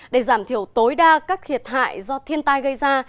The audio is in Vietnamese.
để giảm thiểu tối đa các thiệt hại do thiên tai gây ra